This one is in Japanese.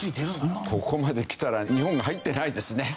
ここまできたら日本が入ってないですね。